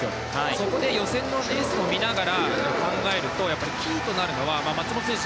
そこで予選のレースを見ながら考えるとキーとなるのは松元選手